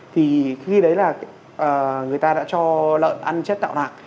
thì khi đấy là người ta đã cho lợn ăn chất tạo lạc